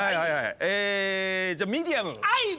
ええじゃあミディアム。